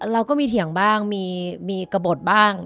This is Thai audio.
เราก็มีเถียงบ้างมีกระบดบ้าง